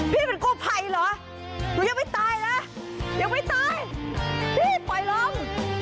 พี่เป็นกู้ภัยเหรอหนูยังไม่ตายนะยังไม่ตายพี่ปล่อยลม